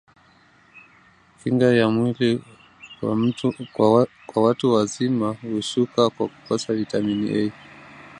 kinga ya mwili kwa watu wazima hushuka kwa kukosa vitamini A